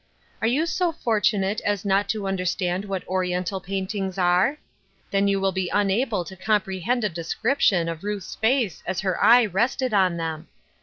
Are you so fortunate as not to understand what oriental paintings are ? Then you will be unable to comprehend a description of Ruth's face as her eye rested on them